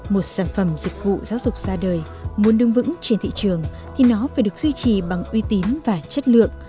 một sản phẩm dịch vụ giáo dục ra đời muốn đứng vững trên thị trường thì nó phải được duy trì bằng uy tín và chất lượng